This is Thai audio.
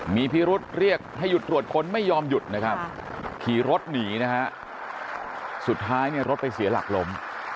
มีพี่รถเรียกให้หยุดตรวจคนไม่ยอมหยุดขี่รถหนีสุดท้ายรถไปเสียหลักลม